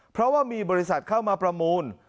เพราะว่ามีบริษัทเข้ามาประมูล